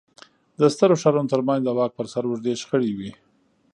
د سترو ښارونو ترمنځ د واک پر سر اوږدې شخړې وې